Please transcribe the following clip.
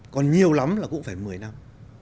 còn nhiều lắm là cũng phải một mươi năm